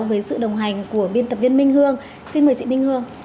với sự đồng hành của biên tập viên minh hương xin mời chị minh hương